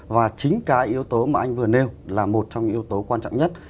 và chính cái yếu tố mà anh vừa nêu là một trong những yếu tố quan trọng nhất